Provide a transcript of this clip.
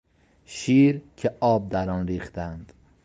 شیر که آب در آن ریختهاند